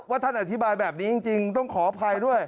ท่านอธิบายแบบนี้จริงต้องขออภัยด้วย